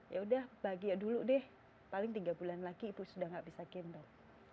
ya udah bahagia dulu deh paling tiga bulan lagi ibu sudah gak bisa gendong